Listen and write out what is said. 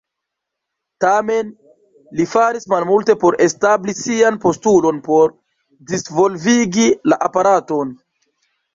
Tamen, li faris malmulte por establi sian postulon por disvolvigi la aparaton.